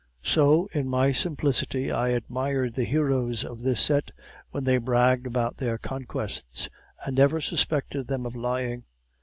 "So in my simplicity I admired the heroes of this set when they bragged about their conquests, and never suspected them of lying.